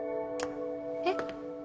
えっ？